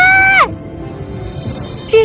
cikie kau di sini